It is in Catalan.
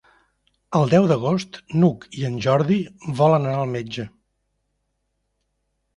El deu d'agost n'Hug i en Jordi volen anar al metge.